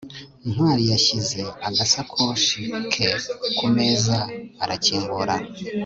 ntwali yashyize agasakoshi ke kumeza arakingura